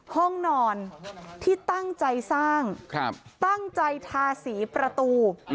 ห้องนอนที่ตั้งใจสร้างตั้งใจทาสีประตู